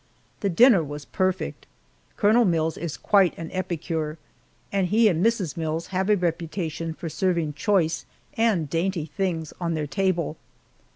The dinner was perfect. Colonel Mills is quite an epicure, and he and Mrs. Mills have a reputation for serving choice and dainty things on their table.